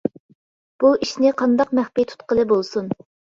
بۇ ئىشنى قانداق مەخپىي تۇتقىلى بولسۇن.